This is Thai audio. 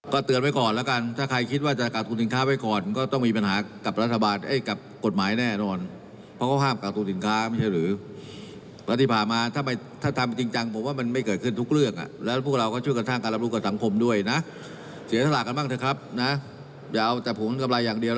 เรื่องนี้ก็มีกับใครผมถามนี่ไอ้ที่ว่าลอบบี้กับใคร